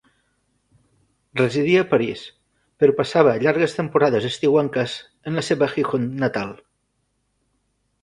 Residia a París, però passava llargues temporades estiuenques en la seva Gijón natal.